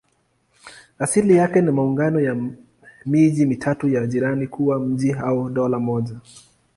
Asili yake ni maungano ya miji mitatu ya jirani kuwa mji au dola moja.